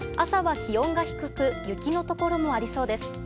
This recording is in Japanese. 朝は気温が低く雪のところもありそうです。